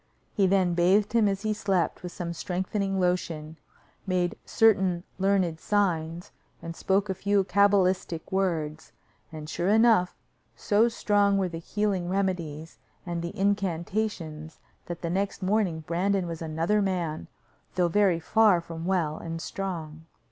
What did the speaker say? He then bathed him as he slept, with some strengthening lotion, made certain learned signs, and spoke a few cabalistic words, and, sure enough, so strong were the healing remedies and incantations that the next morning Brandon was another man, though very far from well and strong.